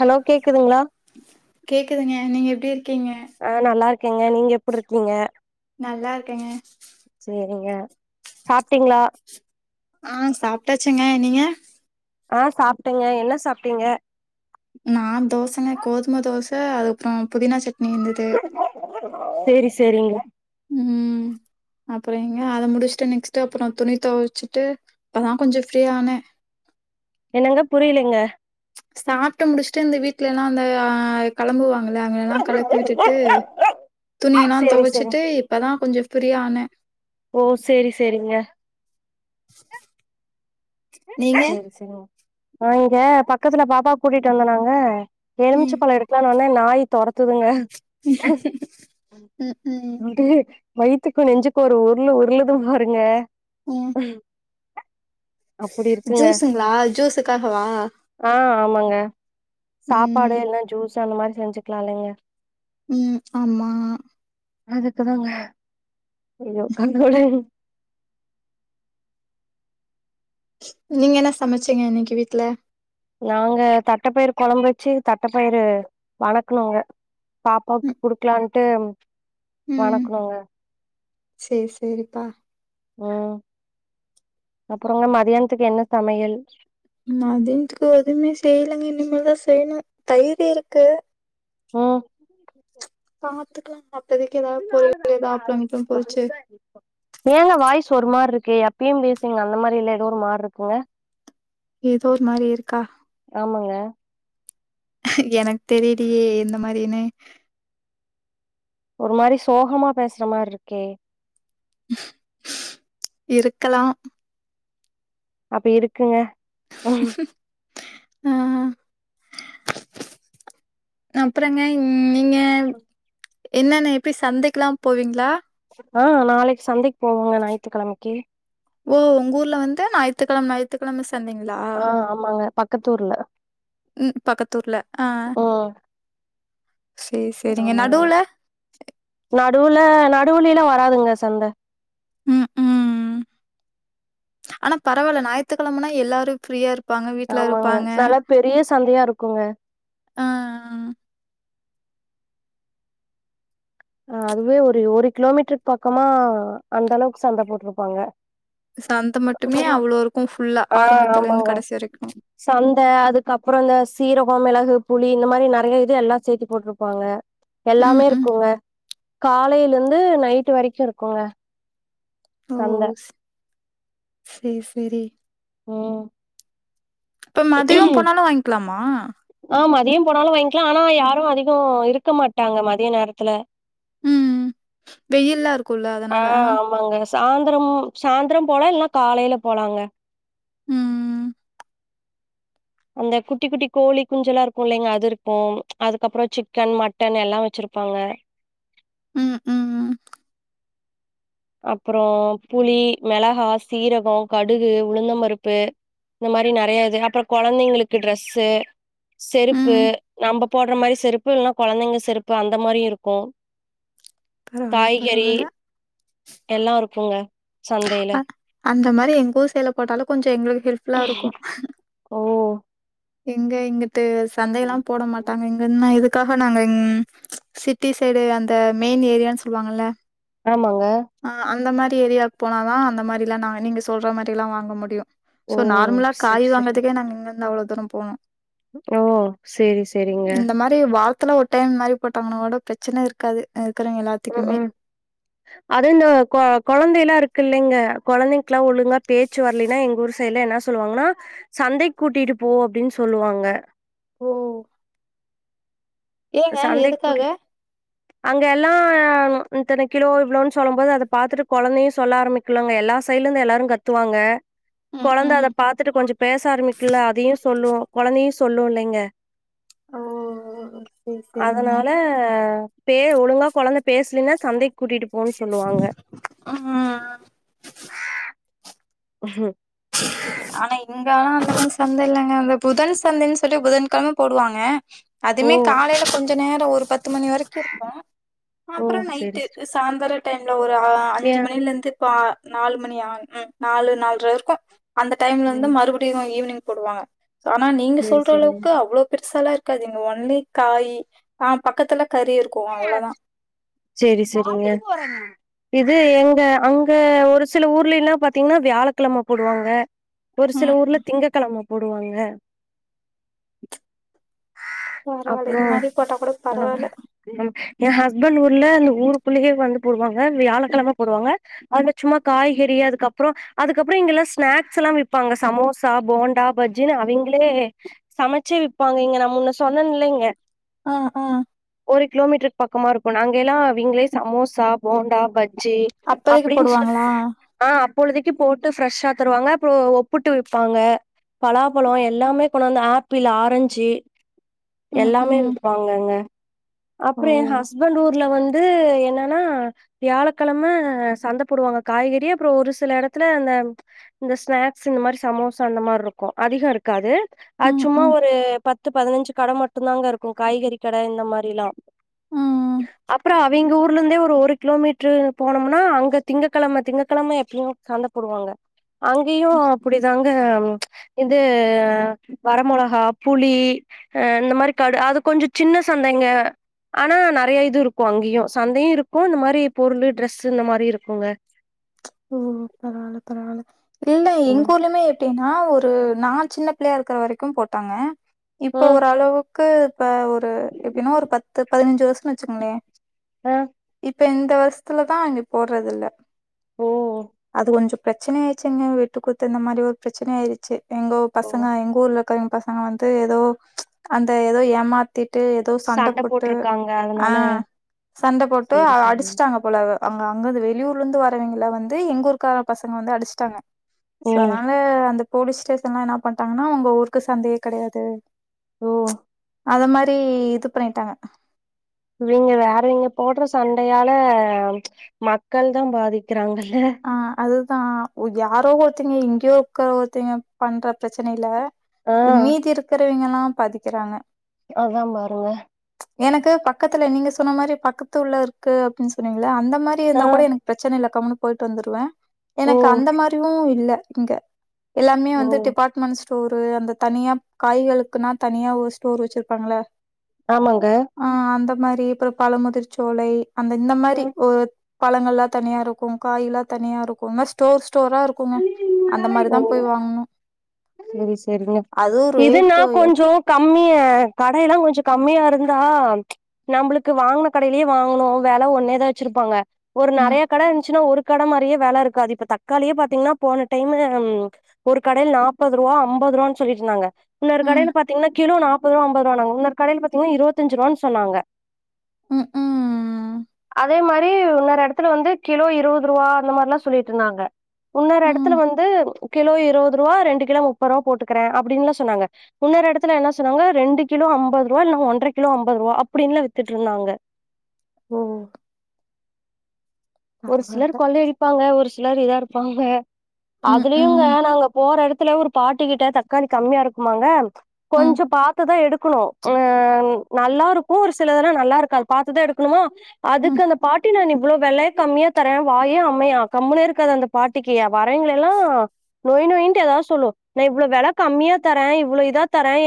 Hello கேக்குதுங்ளா கேக்குதுங்க நீங்க எப்டி இருக்கீங்க அ நல்லா இருக்கேங்க நீங்க எப்டுருக்கீங்க நல்லா இருக்கேங்க சேரிங்க சாப்டிங்ளா ஆ சாப்டாச்சிங்க நீங்க அ சாப்டேங்க என்ன சாப்டீங்க நா தோசங்க கோதும தோச அதுக்ப்றோ புதினா சட் சேரி சேரிங்க ம் அப்ற எங்க அத முடிச்டு நெக்ஸ்ட் அப்றோ துணி கொவச்சுட்டு இப்பதா கொஞ்சோ ஃப்ரீயானே என்னங்க புரிலிங்க சாப்புட்டு முடிச்சுட்டு இந்த வீட்ல எல்லா வந்து அ கெளம்புவாங்கள அவுங்கலா கெளப்பி விட்டுட்டு துணியெலா சேரி சேரி தொவச்சிட்டு இப் பதா கொஞ்ச ஃப்ரீயான ஓ சேரி சேரிங்க [inaudible] செரி செரிங் நா இங்க பக்கத்துல பாப்பாவ கூட்டிட்டு வந்தனாங்க எலுமிச்ச ம் பழ எடுக் லான் வந்தே நாய் தொரத்துதுங்க ம் ம் அப்டே வயித்துக்கு நெஞ்சுக்கு ஒரு உருலு உருலுது பாருங்க ஏ அப்டி ஜூஸுங்ளா ஜூஸுக்காகவா அ ஆமாங்க ம் சாப்பாடு இல்னா ஜூஸு அந்த மாரி செஞ்சுக்லா இல்லங்க ம் ஆமா அதுக்குதாங்க ஐயோ கடவுளே நீங்க என்ன சமச்சீங்க இன்னக்கி வீட்ல நாங்க தட்டப்பயிரு கொழம்பு வச்சி தட்டப்பயிரு வணக்ணோங்க பாப்பாக் ம், குடுக்லான்ட்டு வணக்ணோங்க சேர் சேரிப்பா அ அப்றோங்க மதியான்த்துக்கு என்ன சமயல் மதியான்துக்கு எதுமே செய்லங்க இனிமேதா செய்ணு தயிர் இருக்கு ம் பாத்துக்கிலா அப்பதக்கி ஏதாது பொரியலு ஏதா அப்ளோ கிப்ளோ பொருச்சு ஏங்க வாய்ஸு ஒரு மாரிருக்கு எப்பயு பேசுவீங்கல அந்த மாரில்ல ஏதோ ஒரு மாரிர்க்குங்க ஏதோ ஒரு மாரி இருக்கா ஆமாங்க எனக்கு தெரிலியே எந்த மாரினு ஒரு மாரி சோகமா பேசுற மாரிர்க்கே இருக்கலா அப்ப இருக்குங்க அ அப்றங்க ம் நீங்க என்னன்ன எப்டி சந்தக்கெலா போவீங்களா? ஆ நாளக்கு சந்தக் போவோங்க ஞாயித்துக்கெழமைக்கி ஓ ஒங்க ஊர்ல வந்து ஞாயி்த்துக்கெழம ஞாயி்த்துக்கெழம சந்தங்ளா? ஆ ஆமாங்க பக்கத்து ஊர்ல ம் பக்கத்தூர்ல ஆ ம் சரி, சரிங்க. ஆமாங்க நடுவுல? நடுல நடுலிலா வராதுங்க சந்த ம் ம் ஆனா பரவால்ல ஞாயித்துக்கெழமனா எல்லாரு ஃப்ரீயா இருக் ஆமாங்க நல்லா பெரிய சந்தயா இருக்குங்க அ அ அதுவே ஒரு ஒரு கிலோமீட்டருக்கு பக்கமா அந்த அளவுக்கு சந்த போட்ருப்பாங்க சந்த மட்டுமே அவ்ளோ இருக்கு ஃபுல்லா ஆ ஆரம்பத்துலருந்து ஆமாங்க கடைசி வரைக்கு சந்த அதுக்கப்றோ இந்த சீரகோ மிளகு புளி இந்த மாரி நெறய இது எல்லா சேத்து போட்ருப்பாங்க ம், எல்லாமே ம். இருக்குங்க காலலேர்ந்து நைட்டு வரைக்கு இருக்குங்க ஓ சந்த ஸ் செரி செரி ம் இப்ப மதியோ போனாலு வாங்க்கலாமா ஆ மதியோ போனாலு வாங்கிக்லா ஆனா யாரூ அதிகோ இருக்க மாட்டாங்க மதிய நேரத்துல ம் வெயில்லா இருக்குல ஆ அதனால ஆமாங்க சாந்தரம் சாந்தரோ போலா இல்லன்னா காலைல போலாங்க ம் அந்த குட்டி குட்டி கோழி குஞ்சல்லா இருக்குல்லைங்க அதுருக்கு அதுக்கப்றோ சிக்கன் மட்டன் எல்லா வச்சிருப்பாங்க ம், ம், அப்பறோ புளி மெளகா சீரகோ கடுகு உளுந்தபருப்பு இந்த மாரி நெறய இது அப்றோ கொழந்தைங்களுக்கு ட்ரெஸ்ஸு ம். செருப்பு நம்ம போடுற மாரி செருப்பு இல்லன்னா கொழந்தைங்க செருப்பு அந்த மாரியு இருக்கு பரவால்ல காய்கறி பரவால்ல எல்லா இருக்குல சந்தைல அ அந்த மாரி எங்கூர் சைட்ல போட்டாலு கொஞ்சோ எங்களுக்கு ஹெல்ப் ஃபுல்லா இருக்கு ஓ எங்க இங்குட்டு சந்தயெல்லா போடமாட்டாங்க இங்க என்னா இது அதுக்காக நாங்க இங் சிட்டி சைடு அந்த மெயின் ஏரியான் சொல்வாங்கல்ல ஆமாங்க அ அந்த மாரி ஏரியாக்கு போனாதா அந்த மாரிலா நா நீங்க சொல்ற மாரிலா வாங்க முடியு ஓ சோ நார்மலா காயி செரி வாங்குறதுக்கே நாங்க இங்கருந்து அவ்ளோ தூர போனு ம் செரி செரிங்க இது வாரத்துல ஒரு டைம் மாரி போட்டாங்கனா கூட பிரச்சன இருக்காது இருக்குறவங்க எல்லாத்துக்குமே அதுண்ட கொழந்தல்லா இருக்குல்லங்க கொழந்தைங் ல்லா ஒழுங்கா பேச்சு வரலின்னா எங்கூர் சைட்ல என்னா சொ சொல்லுவாங்கனா சந்தைக் கூட்டிட்டு போ அப்டின் சொல்லுவாங்க ஓ எ ஏங்க சந்தைக் எதுக்காக கூட்டிட் அங்கல்லா இத்தன கிலோ இவ்ளோன் சொல்ல போது அத பாத்துட்டு கொழந்தயு சொல்ல ஆரம்பிக் ல்லாங்க எல்லா சைட்ல இருந்து எல்லாரு கத்துவாங்க ம் கொழந்த ம் அத பாத்துட்டு கொஞ்சோ பேச ஆரம்பிக்குல அதயு சொல்லுவோ கொழந்தையு சொல்லு இல்லைங்க நெஸ் அதனால பே ஒழுங்கா கொழந் பேசலன்னா சந்தைக்கு கூட்டிட்டு போன் சொல்லுவாங்க அம்மா ஹி ம் ஆனா இங்கலா அந்த மாரி சந்தலா இல்லைங்க அந்த புதன் சந்தைன்னு சொல்லி புதன்கிழம போடுவாங்க ஓ அதுமே காலைல கொஞ்சோ நேர ஒரு பத்து மணி வரைக்கு இருக்கு ஓ அப்பற செரி நைட்டு செரி சாயந்தர டைம்ல ஒரு ஏ அஞ்சு மணிலருந்து இப்போ நாலு மணியா ம் நாலு நாலர இரு க்கு அந்த டைம்ல இருந்து ம் மறுபடியு ஈவினிங் போடுவாங்க ஆனா நீங்க செரி சொல்ற செரிங்க அளவுக்கு அவ்ளோ பெருசாலா இருக் இருக்காதீங்க ஒன்லி காய் ஆ பக்கத்துல கறி இருக்கு அவ்ளோதா செரி செரிங்க இது எங்க அங்க ஒரு சில ஊர்லல்லா பாத்தீங்கனா வியாழக்கிழம போடுவாங்க ஒரு சில ம் ஊர்ல திங்க கிழம போடுவாங்க பரவால்ல இது மாரி போட்டா கூட பரவால்ல ஏ ஹஸ்பண்ட் ஊர்ல அந்த ஊருக்குள்ளே வந்து போடுவாங்க வியாழக்கழம போடுவாங்க அங்க சும்மா காய்கறி அதுக்கப்புற அதுக்கப்றோ இங்கல்லா ஸ்நாக்ஸ் எல்லா விப்பாங்க சமோசா போண்டா பஜ்னு அவிங்ளே சமச்வி விப்பாங்க இங்க நா முன்ன சொன்னன் இல்லைங்க ஆ அ ஒரு கிலோமீட்ருக் பக்கமாருக்கும நாங்க எல்லா அவிங்ளே சமோசா போண்டா பஜ்ஜி அப்போதைக்கு அப்டின் சொல் போடுவாங்களா ஆ அப்பொழுதிக்கு போட்டு ஃப்ரெஷ்ஷா தருவாங்க அப்றோ ஒப்புட்டு விப்பாங்க பலாப்பழ எல்லா கொண்டு வந்து ஆப்பிள் ஆரஞ்சு ம் எல்லாமே ம் விப்பாங்கங்க ஓ அப்புற ஏ ஹஸ்பண்ட் ஊர்ல வந்து என்னன்னா வியாழக்கழம சந்த போடுவாங்க காய்கறி அப்றோ ஒரு சில எடத்துல அந்த இந்த ஸ்நாக்ஸ் இந்த மாரி சமோசா அந்த மார்ருக்கும் அதிக இருக்காது அது ம் சும்மா ம் ஒரு பத்து பதுனஞ்சு கட மட்டு தாங்க இருக்கு காய்கறி கட இந்த மாரில்லா ம் அப்புறோ அக் வீங்க ஊர்லந்தே ஒரு கிலோமீட்ரு போனோம்னா அங்க திங்கக்கழம திங்கக்கழம எப்பு சந்த போடுவாங்க அங்கியு அப்புடிதாங் இது வர மொளகா புளி அ இந்த மாரி கடு அது கொஞ்ச சின்ன சந்தைங்க அனா நறைய இது இருக்கு அங்கியு சந்தயு இருக்கு இந்த மாரி பொருளு ட்ரஸ் இந்த மாரி இருக்குங்க உ பரவால்ல பரவால்ல இல்ல ம் எங்க ஊர்லிமே எப் டின்னா ஒரு நா சின்ன பிள்ளையா இருக்கிற வரக்கு போட்டாங்க இப்ப ம் ஓர் அளவுக் க்கு இப்ப ஒரு எப்டின்னா ஒரு பத்து பதுனஞ்சு வர்சுனு வச்சுக்ங்ளே அ இப்ப இந்த வர்ஷ்த்துல தா அங்கே போட்றதுல்ல ஓ கொஞ்ச ப்ரச்சனை ஆயிர்ச்சுங்க வெட்டு குத்து இந்த மாரி ஒரு ப்ரச்சனை ஆயிர்ச்சு எங்க உ ஓ பசங்க எங்க ஊர்ல [unintelligible] பசங்க வந்து எதோ அந்த எதோ ஏமாத்திட்டு தோ சண்ட போட்டு போட்ருக்காங்க அ அதனால சண்ட போட்டு சேரி சேரி அடிச்சுட்டாங்க போலாவ அங்க அங்கந்து வெளியூர்ல இருந்து வரவிங்கல வந்து எங்க ஊருக்கார பசங்க வந்து அடிச்சுட்டாங்க ஓ சோ அத்னால அந்த போலீஸ் ஸ்டேஷன்லா என்னா பண்ட்டாங்கன்னா ஒங்க ஊர்க்கு சந்தயே கடையாது ஓ அத மாரி இது பண்ணிட்டாங்க இங்க வேற இங்க போடுற சண்டயால மக்கள் தா பாதிக்கிறாங்கல்ல அ அதுதா ஒ யாரோ ஒருத்திங்க இங்யோ ஒக்க ஒருத்தீங்க பண்ற ப்ரச்சனைல ஆ மீதி இருக்குறவிங்கலா பாதிக்கிறாங்க அதா பாருங்க எனக்கு பக்கத்துல நீங்க சொன்ன மாரி பக்கத்து உள்ள இருக்கு அப்பின் சொன்னீங்கள்ள அந்த மாரி ஆ இருந்தா கூட எனக் ப்ரச்சன இல்ல கம்முனு போயிட் வந்துருவ ஓ எனக்கு அந்த மாரியு இல்ல இங்க எல்லாமே ஓ வந்து டிப்பாட்மண்ஸ் தோரு அந்த தனியா காய்களுக்குனா தனியா ஸ்டோர் வச்சிருப்பாங்கள ஆமங்க அ அந்த மாரி அப்புற பழமுதிர் சோலை அந்த இந்த மாரி ம் ஒரு பழங்கள்லா தனியா இருக் கு காயல்லா தனியா இருக்கு ஸ்டோர் ஸ்டோரா இருக்குங்க அந்த மாரிதா போய் வாங்ணு சேரி சேரிங்க இதுனா ரேட்டு கொஞ்சோ கம்மிய கடைல்லா கொஞ்ச கம்மியா இருந்தா நம்புளுக்கு வாங்ன கடைலே வாங்ணு வெல ஒன்னேதா வச்சிருப்பாங்க ஒரு ம், நறைய கட இருந்ச்சுனா ஒரு கடை மாதிரியே வெலை இருக்காது இப்ப தக்காளியே பாத்தீங்கன்னா போன டைம் ஒரு கடைல் நா முப்பது ரூபா அம்பது ரூபான்னு சொல்லிட்டுந்தாங்க இன்னரு ம், கடையல பாத்தீங்கன்னா கிலோ நாற்பது ரூாப அம்பது ரூவான்னாங்க இனொரு கடைல பாத்தங்கன்னா இருபத்தஞ்ச ரூவான்னு சொன்னாங்க ம், ம் அதே மாரி இன்னொரு எடத்துல வந்து கிலோ இருபது ரூபா அந்த மார்ல்லாம் சொல்லிட்டு இருந்தாங்க இன்னொரு எடத்துல ம். வந்து கிலோ இருபது ரூபா ரெண்டு கிலோ முப்பது ரூபா போட்டுக்கறேன் அப்டின்னு சொன்னாங்க இன்னொரு எடத்துல என்ன சொன்னாங்க ரெண்டு கிலோ அம்பது ரூவா இல்லா ஒன்றரை கிலோ அம்பது ரூபா அப்டின்னு வித்துட்டு இருந்தாங்க ம் ஒரு பரவால்ல. சிலர் கொள்ளயடிப்பாங்க ஒரு சிலர் இதா இருப்பாங்க ம், அதுலயு ம், நாங்க ஓற இடத்துல ஒரு பாட்டி கிட்ட தக்காளி கம்மியா இருக்குமாங்க ம், கொஞ்ச பாத்துதான் எடுக்கணும் உ நல்லா இருக்கும் ஒரு சிலதெல்லாம் நல்லா இருக்காது பாத்துதான் எடுக்கணுமா அதுக்கு ம், அந்த பாட்டி நா இவ்ள வெல கம்மியா தரேன் வாயே அம்மையான் கம்மளே இருக்காது அந்த பாட்டிக்கு வரங்கள எல்லாம் நொய் நொயின்ட்டு ஏதாவது சொல்லும் நான் இவ்வளவு வெல கம்மியா தரேன் இவ்வளவு இதா தரேன்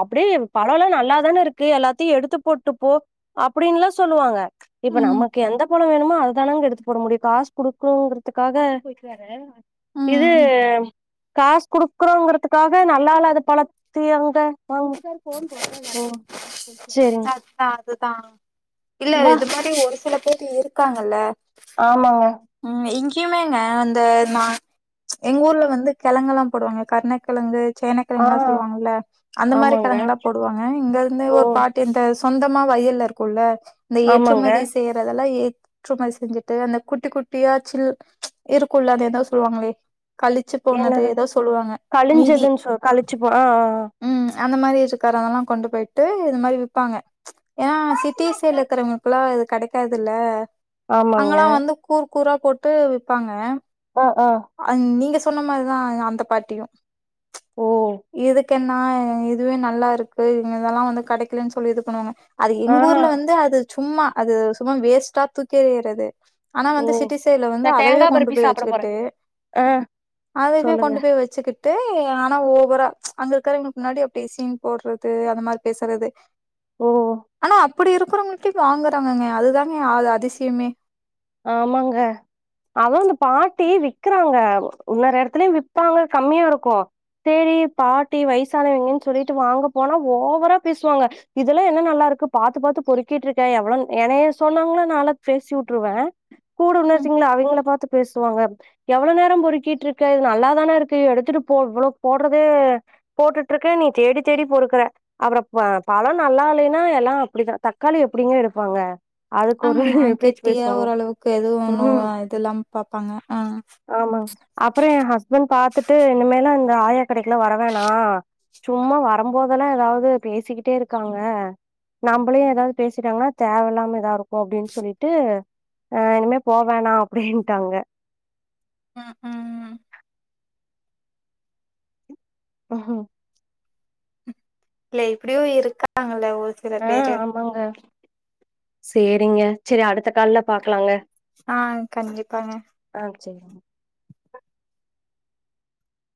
அப்டியே படம்லாம் நல்லாதானே இருக்கு எல்லாத்தையும் எடுத்து போட்டுப்போ அப்டின்னுல்லாம் சொல்லுவாங்க இப்ப ம், நமக்கு எந்த பழம் வேணுமோ அது தான எடுத்து போட முடியும் காசு குடுக்கறங்கறதுக்காக இது ம். காஸ் குடுக்குறோங்கறதுக்காக நல்லாலது பழத்தி அங்க வாங்க ஒ அ அதுதான் அதுதான் இல்ல வா இது மாதிரி ஒரு சில பேர் இருக்காங்கல்ல ஆமா ம் இங்கேயுமேங்க அந்த எங்க ஊர்ல வந்து கெழங்குல்லாம் போடுவாங்க கருணக்கெழங்கு சேனக்கெழங்க ஆ எல்லாம் சொல்லுவாங்கல்ல அந்த மாதிரி ஆமாங்க கெழங் எல்லாம் போடுவாங்க இங்க இருந்து ஓ ஒரு பாட்டு இந்த சொந்தமா வயல்ல இருக்கும்ல்ல இந்த ஆமாங்க ஏற்றுமதி செய்யத் அதெல்லாம் ஏற்றுமதி செஞ்சுட்டு அந்த குட்டி குட்டி யாச்சில் இருக்கும்ல்ல அந்த ஏதாவது சொல்லுவாங்க கழிச்சு போனது என்னது ஏதோ சொல்லுவாங்க மீதி கழிஞ்சதுன்னு சொ கழிச்சு போ ஆ ஆ ம் அந்த மாரி இருக்காரதெல்லாம் கொண்டு போயிட்டு இந்த மாரி விப்பாங்க ஏன்னா சிட்டிஸ் சைட்ல இருக்கறவங்களுக்குல்லாம் இது கடைக்காதுல்ல ஆமாங்க அங்கெல்லாம் வந்து கூர் கூரா போட்டு விப்பாங்க அ அ அ நீங்க சொன்ன மாரிதான் அந்த பாட்டியும் ச் ஓ இதுக்கு இருக்கன்னா இதுவே நல்லா இருக்கு இதெல்லாம் வந்து கடைக்கலன்னு சொல்லி இது பண்ணுவாங்க அது ஆ எங்க ஊர்ல வந்து அது சும்மா அது சும்மா வேஸ்ட்டா தூக்கி எரியறது ஆனா ஓ வந்து சிட்டி சைட்ல வந்து அதவே கொண்டு போய் வச்சுக்கிட்டு அ அதவே கொண்டு போய் வச்சுிட்டு ட்டு ஆனா ஓவரா அங்க இருக்கருங்களுக்கு முன்னாடி அப்டி சீன் போட்றது அந்த மாரி பேசுறது ஓ ஆனா அப்டி இருக்கறவங்கள்ட்டயு வாங்குறாங்கங்க அதுதாங்க அது அதிசயமே ஆமாங்க அதான் இந்த பாட்டி விக்றாங்க இன்னொரு எடத்துலயு விப்பாங்க கம்மியாருக்கு சேரி பாட்டி வயசானவிங்கன் சொல்லிட்டு வாங்க போனா ஓவரா பேசுவாங்க இதெல்லா என்ன நல்லாருக்கு பாத்து பாத்து பொறுக்கிட்ருக்க எவ்ள எனைய சொன்னாங்கன்னா நாளா பேசிவுட்ருவ கூட ம் உன்னர்ச்சீங்ள அவிங்கள பாத்து பேசுவாங்க எவ்ள நேர பொறுக்கிட்ருக்க இது நல்லாதானே இருக்கு எடுத்துட்டு போ இவ்ளோ போட்றதே போட்டுட்ருக்க நீ தேடி தேடி பொருக்குற அப்ரோ ப பழம் நல்லால்லேனா எல்லா அப்டித்தா தக்காளி எப்டிங்க எடுப்பாங்க அதுக்கொரு பேச்சு பேசுவாங்க க்கு எதுவு ணு ம் இதுலாம பாப்பாங்க ம் ஆமாங் அப்பற எ ஹஸ்பண்ட் பாத்துட்டு இனிமேல்லா இங்க ஆயா கடைக்லா வரவேனா சும்மா வரம்போத் லா ஏதாவது பேசிக்கிட்டே இருக்காங்க நம்பளையுன ஏதாவது பேசிட்டாங்கன்னா தேவையில்லாம இதாருக் அப்டின் சொல்லிட்டு அ இனிமே போவேணா அப்டின்ட்டாங்க ம் ம் க்லே இப்டியு இருக்காங்கல்ல ஒரு சில அ பேரு ஆமாங்க சேரிங்க சரி அடுத்த கால்ல பாக்லாங்க ஆ கண்டிப்பாங்க ஆ செரிங்க